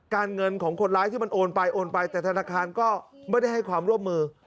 เงินของคนร้ายที่มันโอนไปโอนไปแต่ธนาคารก็ไม่ได้ให้ความร่วมมือ